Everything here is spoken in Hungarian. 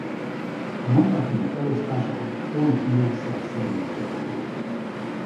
A mandátumok elosztása a d’Hondt-módszer szerint történt.